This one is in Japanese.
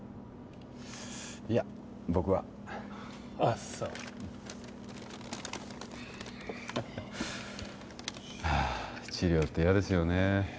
いや僕はあっそう治療って嫌ですよね